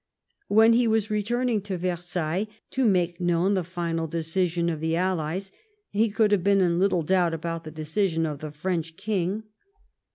When he was re turning to Versailles to make known the final decision of the allies he could have been in little doubt about the decision of the French King.